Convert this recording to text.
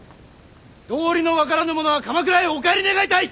道理の分からぬ者は鎌倉へお帰り願いたい！